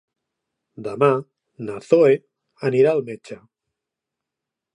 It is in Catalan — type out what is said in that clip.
Demà na Zoè anirà al metge.